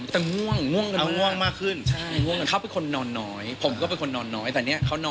แต่ง่วงง่วงกันมาก